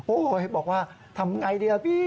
บอกว่าทำไงดีล่ะพี่